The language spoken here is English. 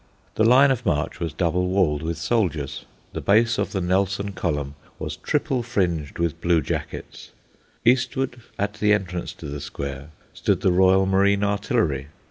The line of march was double walled with soldiers. The base of the Nelson Column was triple fringed with bluejackets. Eastward, at the entrance to the square, stood the Royal Marine Artillery.